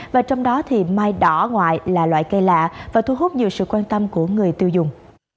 và trong đó thì mai đỏ ngoại là loại cây lạ và thu hút nhiều sự quan tâm của người tiêu dùng